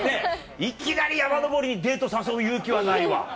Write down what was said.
いきなり山登りにデート誘う勇気はないわ。